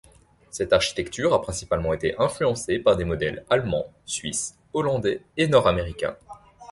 Cette architecture a principalement été influencée par des modèles allemands, suisses, hollandais, et nord-américains.